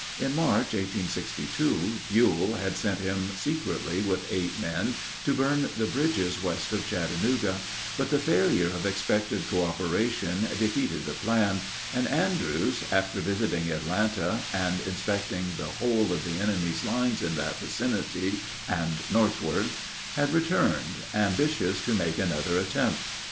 In March, 1862, Buell had sent him secretly with eight men to burn the bridges west of Chattanooga; but the failure of expected coöperation defeated the plan, and Andrews, after visiting Atlanta, and inspecting the whole of the enemy's lines in that vicinity and northward, had returned, ambitious to make another attempt.